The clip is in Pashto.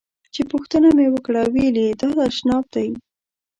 چې پوښتنه مې وکړه ویل یې دا تشناب دی.